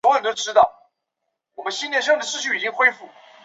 使用类似的方式我们可以定义出某文法本身是左递归的。